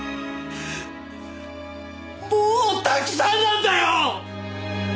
もうたくさんなんだよ！